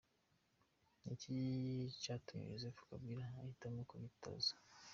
Ni iki catumye Joseph Kabila ahitamwo kutitoza?.